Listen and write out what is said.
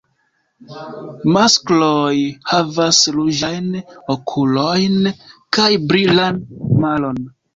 Maskloj havas ruĝajn okulojn kaj brilan plumaron.